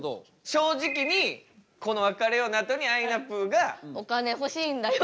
正直にこの「別れよう」のあとにあいなぷぅが「お金欲しいんだよ」